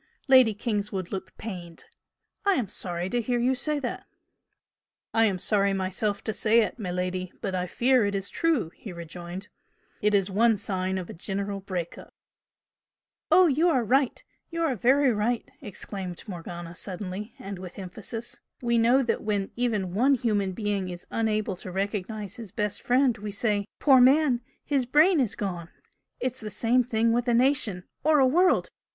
Lady Kingswood looked pained. "I am sorry to hear you say that!" "I am sorry myself to say it, miladi, but I fear it is true!" he rejoined "It is one sign of a general break up." "Oh, you are right! You are very right!" exclaimed Morgana suddenly, and with emphasis "We know that when even one human being is unable to recognise his best friend we say 'Poor man! His brain is gone!' It's the same thing with a nation. Or a world!